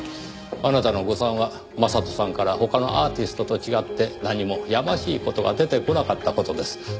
あなたの誤算は将人さんから他のアーティストと違って何もやましい事が出てこなかった事です。